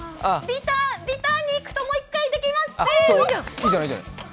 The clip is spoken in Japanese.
リターンに行くと、もう１回できます。